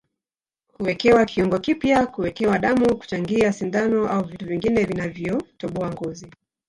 Kuwekewa kiungo kipya Kuwekewa damu kuchangia sindano au vitu vingine vinavyotoboa ngozi